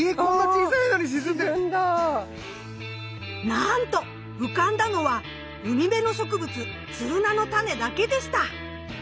なんと浮かんだのは海辺の植物ツルナのタネだけでした。